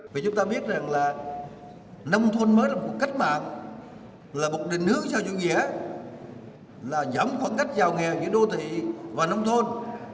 vì chúng ta biết rằng là nông thôn mới là một cuộc cách mạng là một định hướng sau chủ nghĩa là giảm khoảng cách giàu nghèo giữa đô thị và nông thôn